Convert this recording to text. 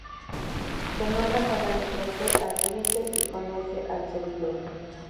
Se nombra con la letra C al cliente y con S al servidor.